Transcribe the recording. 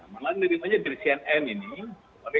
malah nerimanya dari cnn ini